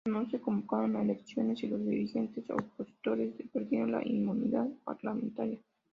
No se convocaron elecciones y los dirigentes opositores perdieron la inmunidad parlamentaria.